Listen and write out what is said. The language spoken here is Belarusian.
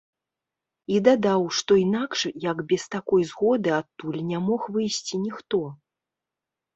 І дадаў, што інакш як без такой згоды адтуль не мог выйсці ніхто.